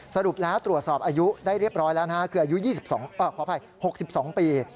สรุปแล้วตรวจสอบอายุได้เรียบร้อยแล้วนะฮะคืออายุขออภัย๖๒ปี